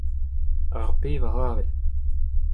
Ar pevar avel.